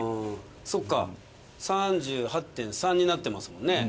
そっか３８．３になってますもんね。